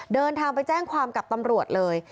เดินทางไปแจ้งความกับตำรวจเลย